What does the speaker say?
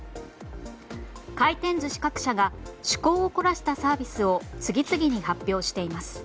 回転寿司各社が趣向を凝らしたサービスを次々に発表しています。